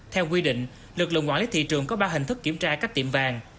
theo quy định lực lượng quản lý thị trường có ba hình thức kiểm tra các tiệm vàng